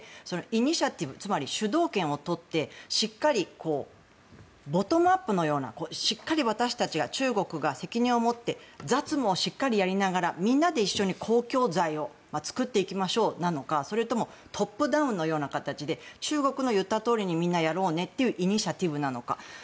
イニシアチブつまり主導権をとってしっかりボトムアップのようなしっかり中国が責任を持って雑務をしっかりやりながらみんなで公共財を作っていきましょうなのかそれともトップダウンのような形で中国の言ったとおりにやろうねというイニシアチブなのか